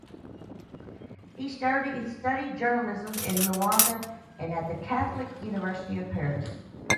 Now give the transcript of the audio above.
He studied journalism in Luanda and at the Catholic University of Paris.